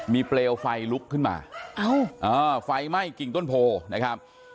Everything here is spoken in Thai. มีเปลวไฟลุกขึ้นมาไฟไหม้กิ่งต้นโพนะครับ